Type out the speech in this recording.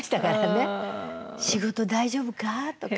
「仕事大丈夫か？」とか。